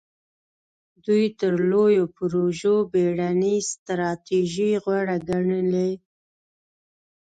دوی تر لویو پروژو بېړنۍ ستراتیژۍ غوره ګڼلې.